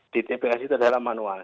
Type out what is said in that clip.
di tps itu adalah manual